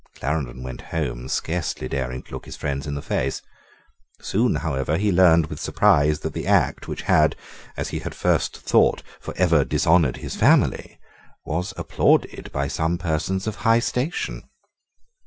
Clarendon went home, scarcely daring to look his friends in the face. Soon, however, he learned with surprise that the act, which had, as he at first thought, for ever dishonoured his family, was applauded by some persons of high station.